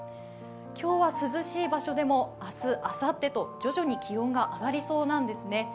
今日は涼しい場所でも明日、あさってと徐々に気温が上がりそうなんですね。